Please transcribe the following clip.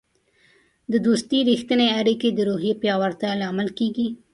د دوستی رښتیني اړیکې د روحیې پیاوړتیا لامل کیږي.